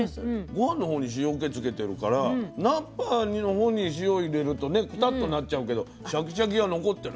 ごはんのほうに塩気つけてるから菜っぱのほうに塩入れるとねクタッとなっちゃうけどシャキシャキが残ってる。